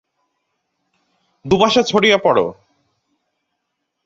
দুপাশে ছড়িয়ে পড়ো!